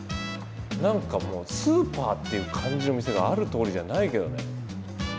何かもうスーパーっていう感じの店がある通りじゃないけどね。